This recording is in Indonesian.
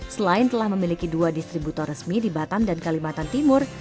selain telah memiliki dua distributor resmi di batam dan kalimantan timur